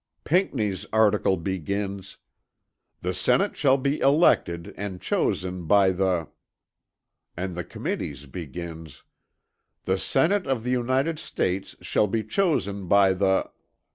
Pinckney's article begins: "The senate shall be elected, and chosen by the;" and the Committee's begins: "The senate of the United States shall be chosen by the."